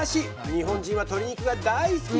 日本人はトリ肉が大好き！